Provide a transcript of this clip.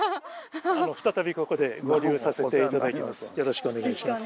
再びここで合流させて頂きます。